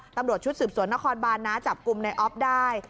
ตำรวจชุดสืบสวนนครบานนะจับกลุ่มในออฟได้